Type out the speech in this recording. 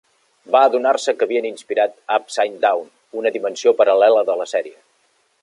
Van adonar-se que havien inspirat Upside Down, una dimensió paral·lela de la sèrie.